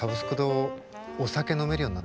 お酒飲めるようになったのね。